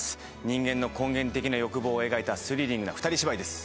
人間の根源的な欲望を描いたスリリングな二人芝居です